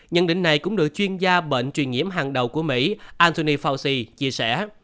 nhân định này cũng được chuyên gia bệnh truyền nhiễm hàng đầu của mỹ anthony fauci chia sẻ